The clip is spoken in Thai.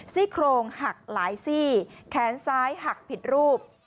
ซี่โครงหักหลายซี่แขนซ้ายหักผิดรูป